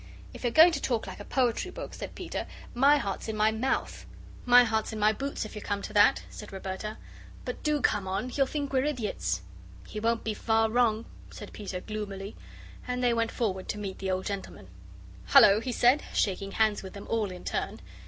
"If you're going to talk like a poetry book," said Peter, "my heart's in my mouth." "My heart's in my boots if you come to that," said Roberta; "but do come on he'll think we're idiots." "He won't be far wrong," said Peter, gloomily. And they went forward to meet the old gentleman. "Hullo," he said, shaking hands with them all in turn.